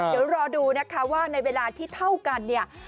เดี๋ยวรอดูนะคะว่าในเวลาที่เท่ากันเนี่ย